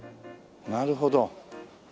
なるほど。